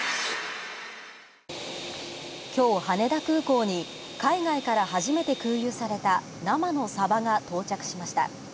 きょう、羽田空港に海外から初めて空輸された生のサバが到着しました。